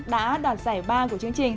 đã đạt giải ba của chương trình